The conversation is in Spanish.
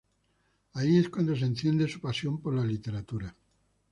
Ahí es cuando se enciende su pasión por la Literatura.